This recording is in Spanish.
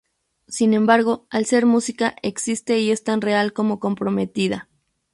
Sin embargo, al ser música, existe y es tan real como comprometida.